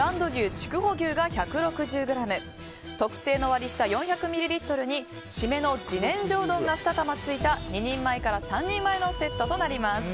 筑穂牛が１６０ｇ特製の割り下４００ミリリットルに締めの自然薯うどんが２玉ついた２人前から３人前のセットになります。